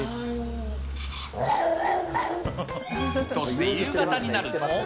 そして夕方になると。